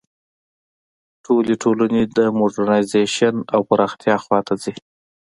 ټولې ټولنې د موډرنیزېشن او پراختیا خوا ته ځي.